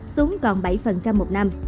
xuống còn bảy một năm